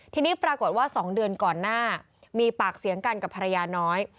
ทีนี้ปรากฏว่า๒เดือนก่อนหน้ามีปากเสียงกันกับภรรยาน้อย